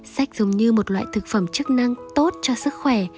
sách giống như một loại thực phẩm chức năng tốt cho sức khỏe